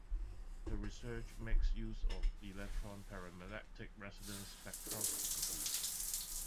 Her research makes use of electron paramagnetic resonance spectroscopy.